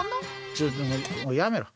ちょっともうもうやめろ。